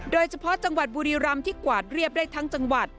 โดยเฉพาะจังหวัดบุรีรำที่กวาดเรียบได้ทั้งจังหวัด